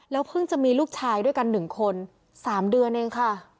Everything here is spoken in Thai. แล้วเพิ่งจะมีลูกชายด้วยกันหนึ่งคนสามเดือนเองค่ะ